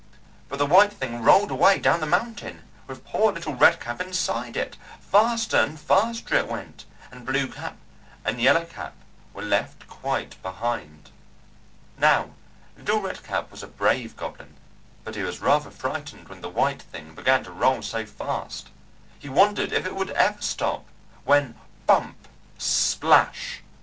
But the white thing rolled away down the mountain with poor little Red Cap inside it; faster and faster it went, and Blue Cap and Yellow Cap were left quite behind. Now little Red Cap was a brave goblin, but he was rather frightened when the White Thing began to roll so fast. He wondered if it would ever stop, when Bump! Splash!